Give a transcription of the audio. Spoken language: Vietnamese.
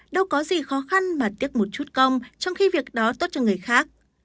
đâu có gì khó khăn mà tiếc một chút công trong khi việc đó tốt cho người khác